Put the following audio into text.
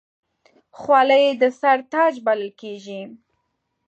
خولۍ د سر تاج بلل کېږي.